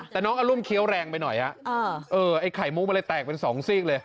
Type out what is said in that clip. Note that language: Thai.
แต่น้องอรุมเคี้ยวแรงไปหน่อยไอ้ไข่มุกมันเลยแตกเป็นสองซีกเลย